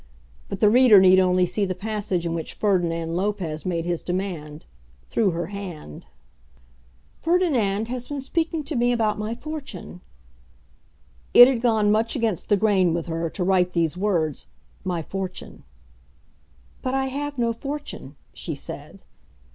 But the reader need only see the passage in which Ferdinand Lopez made his demand, through her hand. "Ferdinand has been speaking to me about my fortune." It had gone much against the grain with her to write these words, "my fortune." "But I have no fortune," she said.